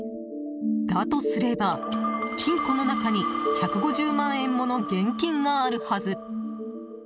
だとすれば、金庫の中に１５０万円もの現金があるはず。